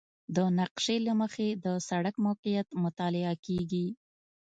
د نقشې له مخې د سړک موقعیت مطالعه کیږي